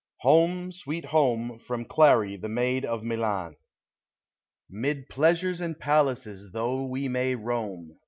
HOME, SWEET HOME. FROM " CLAKI, TUB MAID OF MILAN." Mm pleasures and palaces though we may roam.